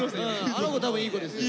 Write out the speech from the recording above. あの子多分いい子ですよ。